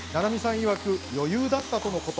いわく余裕だったとのこと。